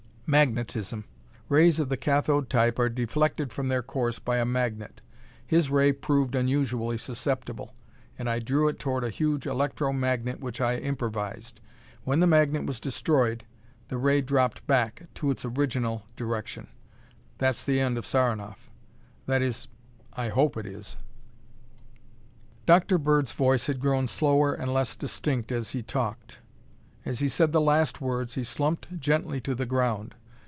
"Magnetism. Rays of the cathode type are deflected from their course by a magnet. His ray proved unusually susceptible, and I drew it toward a huge electro magnet which I improvised. When the magnet was destroyed, the ray dropped back ... to its original ... direction. That's the end ... of Saranoff. That is ... I hope ... it is." Dr. Bird's voice had grown slower and less distinct as he talked. As he said the last words, he slumped gently to the ground.